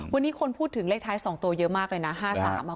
วันนี้คนพูดถึงเลขท้าย๒ตัวเยอะมากเลยนะ๕๓